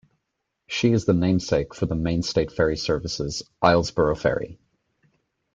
She is the namesake for the Maine State Ferry Service's Islesboro Ferry.